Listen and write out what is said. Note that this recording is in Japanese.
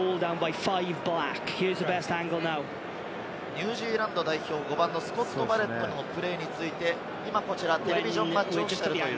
ニュージーランド代表５番のスコット・バレットのプレーについて、テレビジョン・マッチ・オフィシャル。